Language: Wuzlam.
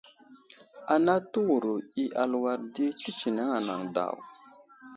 Ana təwuro i aluwar di tətsineŋ anaŋ daw.